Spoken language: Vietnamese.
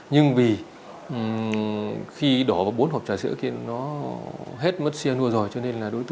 nhưng vì khi đổ vào bốn hộp trà sữa thì nó hết mất xe nuôi rồi